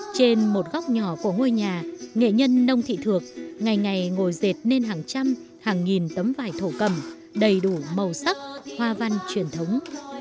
trên một góc nhỏ của ngôi nhà nghệ nhân nông thị thuộc ngày ngày ngồi dệt nên hàng trăm hàng nghìn tấm vải thổ cầm đầy đủ màu sắc hoa văn truyền thống